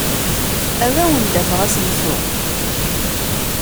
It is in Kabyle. Ad awen-d-afeɣ asensu.